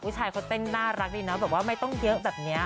ผู้ชายเขาเต้นน่ารักดีนะแบบว่าไม่ต้องเยอะแบบนี้